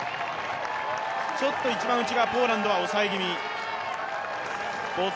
ちょっと一番内側ポーランドは抑え気味。